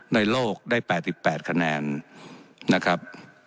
ในโลกได้๘๘คะแนนนะครับ